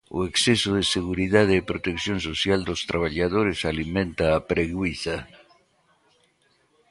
O exceso de seguridade e protección social dos traballadores alimenta a preguiza.